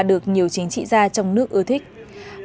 được nhiều chính trị gia trong nước ưa thích